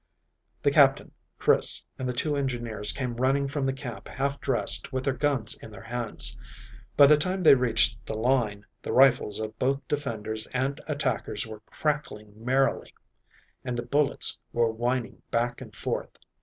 The Captain, Chris and the two engineers came running from the camp half dressed with their guns in their hands. By the time they reached the line, the rifles of both defenders and attackers were crackling merrily and the bullets were whining back and forth.